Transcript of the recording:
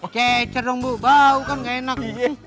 kecer dong bu bau kan gak enak